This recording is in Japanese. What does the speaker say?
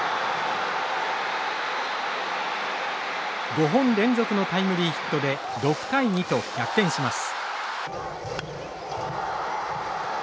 ５本連続のタイムリーヒットで６対２と逆転します。